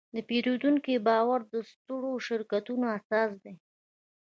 د پیرودونکي باور د سترو شرکتونو اساس دی.